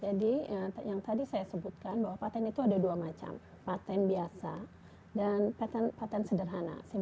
jadi yang tadi saya sebutkan bahwa patent itu ada dua macam